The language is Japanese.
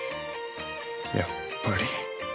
やっぱり。